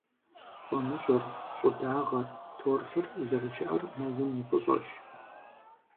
ФӀамыщӀыр, щӀыдагъэр, торфыр зэрыщыӀэр мэзым и фӀыщӀэщ.